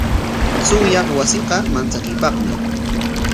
Chunyaq wasiqa manchakuypaqmi.